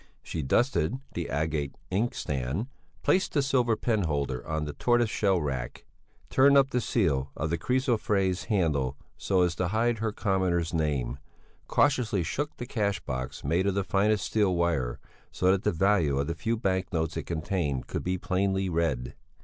She dusted the agate inkstand, placed the silver penholder on the tortoiseshell rack, turned up the seal of the chrysoprase handle so as to hide her commoner's name, cautiously shook the cash box made of the finest steel wire, so that the value of the few bank notes it contained could be plainly read.